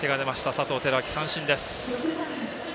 佐藤輝明、三振です。